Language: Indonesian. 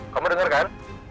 kamu denger kan